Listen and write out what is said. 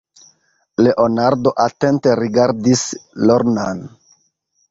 Leonardo atente rigardis Lornan.